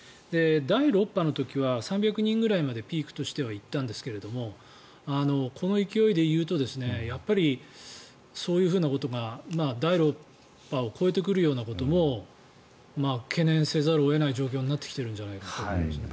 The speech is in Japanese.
第６波の時は３００人くらいまでピークとしては行ったんですがこの勢いで言うとやっぱり、そういうことが第６波を超えてくるようなことも懸念せざるを得ない状況になってきてるんじゃないですかね。